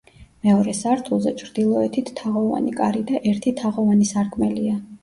მეორე სართულზე ჩრდილოეთით თაღოვანი კარი და ერთი თაღოვანი სარკმელია.